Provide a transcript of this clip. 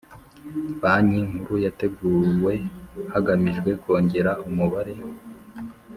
Banki Nkuru yateguwe hagamijwe kongera umubare